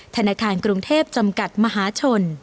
ธนาคารกรุงเทพจำกัดมหาชน